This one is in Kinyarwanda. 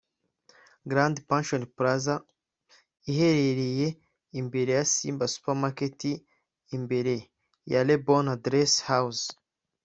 Grand Pansion Plaza iherereye imbere ya Simba Super Market imbere ya La Bonne addresse House